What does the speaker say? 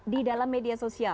di dalam media sosial